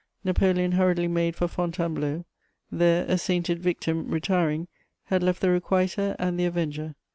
] Napoleon hurriedly made for Fontainebleau: there a sainted victim, retiring, had left the requiter and the avenger.